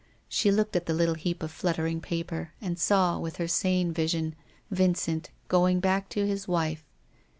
She looked at the little heap of fluttering paper, and saw, with her sane vision, Vincent going back to his wife.